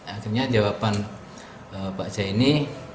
akhirnya jawaban pak zaini